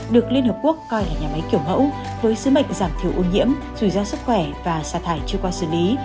được liên hợp quốc coi là nhà máy kiểu mẫu với sứ mệnh giảm thiểu ô nhiễm rủi ro sức khỏe và xả thải chưa qua xử lý